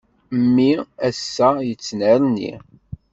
Mmi ass-a yettnerni.